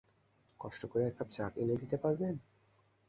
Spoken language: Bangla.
কষ্ট করে এককাপ চা এনে দিতে পারবেন?